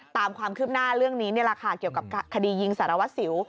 ตามความคืบหน้าเรื่องนี้นี่แหละค่ะเกี่ยวกับคดียิงสารวัสสิว